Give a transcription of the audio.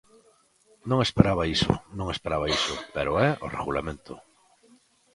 Non esperaba iso, non esperaba iso, pero é o Regulamento.